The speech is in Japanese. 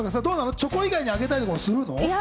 チョコ以外にあげたりするの？